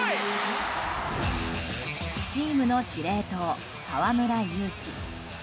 チームの司令塔、河村勇輝。